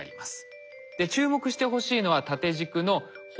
注目してほしいのは縦軸の放射照度。